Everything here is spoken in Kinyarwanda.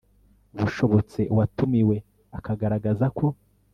bushobotse uwatumiwe akagaragaza ko